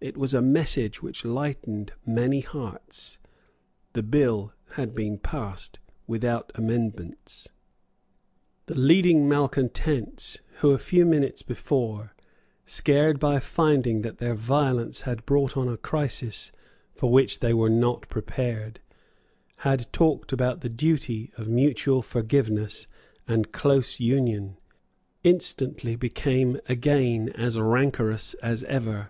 It was a message which lightened many heavy hearts. The bill had been passed without amendments. The leading malecontents, who, a few minutes before, scared by finding that their violence had brought on a crisis for which they were not prepared, had talked about the duty of mutual forgiveness and close union, instantly became again as rancorous as ever.